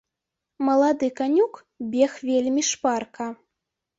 Малады канюк бег вельмі шпарка.